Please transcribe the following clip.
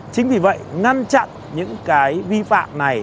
chính vì vậy ngăn chặn những cái vi phạm này